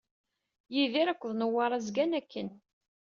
Yidir akked Newwara zgan akken.